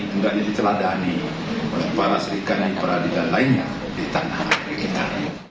tidak jadi celadani oleh para serikani peradilan lainnya di tanah kita